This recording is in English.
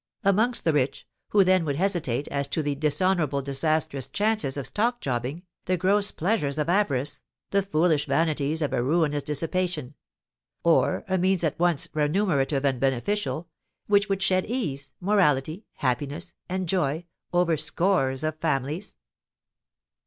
Amongst the rich, who then would hesitate as to the dishonourable, disastrous chances of stock jobbing, the gross pleasures of avarice, the foolish vanities of a ruinous dissipation; or, a means at once remunerative and beneficial, which would shed ease, morality, happiness, and joy, over scores of families?